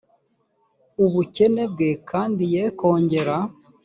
ubukene bwe kandi ye kongera